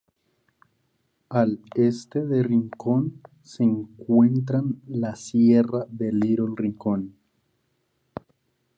Al este de Rincón se encuentran la sierra de Little Rincón.